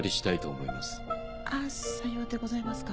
あっさようでございますか。